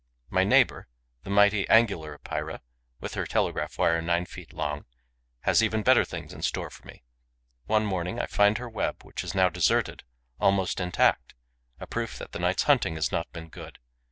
My neighbour, the mighty Angular Epeira, with her telegraph wire nine feet long, has even better things in store for me. One morning, I find her web, which is now deserted, almost intact, a proof that the night's hunting has not been good.